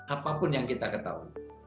apapun yang kita ketahui